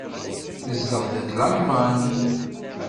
Tezdeɣ deg Lalman.